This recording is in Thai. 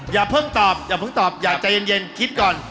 อย่าเพิ่งตอบอย่าเพิ่งตอบอย่าใจเย็นคิดก่อน